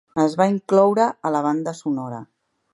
Es va incloure a la banda sonora.